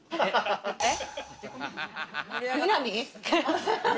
えっ？